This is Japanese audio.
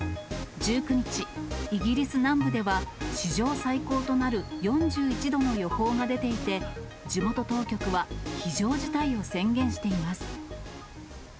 １９日、イギリス南部では史上最高となる４１度の予報が出ていて、地元当局は、非常事態を宣言しています。